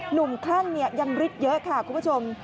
หนุ่มขั้นเนี่ยยังริดเยอะค่ะคุณผู้ชม